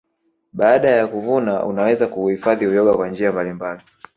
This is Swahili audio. Baada ya kuvuna unaweza kuuhifadhi uyoga kwa njia mbalimbali